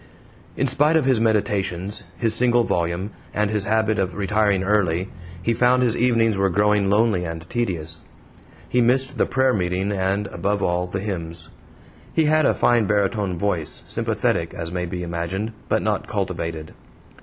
In spite of his meditations, his single volume, and his habit of retiring early, he found his evenings were growing lonely and tedious. He missed the prayer meeting, and, above all, the hymns. He had a fine baritone voice, sympathetic, as may be imagined, but not cultivated.